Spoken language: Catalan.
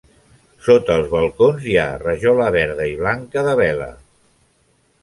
Sota els balcons hi ha rajola verda i blanca, de vela.